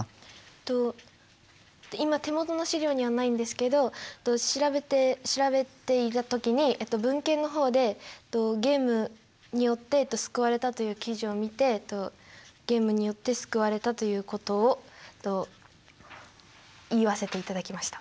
今手元の資料にはないんですけど調べて調べていた時に文献の方でゲームによって救われたという記事を見てゲームによって救われたということを言わせていただきました。